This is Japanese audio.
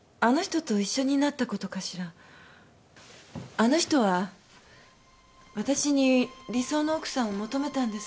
あの人はわたしに「理想の奥さん」を求めたんです。